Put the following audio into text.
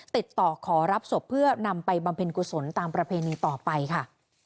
ติดต่อขอรับศพเพื่อนำไปบำเพ็ญกุศลตามประเพณีต่อไปค่ะ